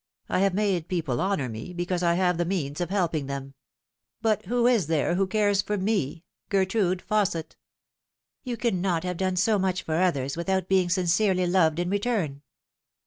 I have made people honour me, because I have the means of helping them. But who is there who cares for me, Gertrude Fausset ?" You cannot have done so much for others without being sincerely loved in return."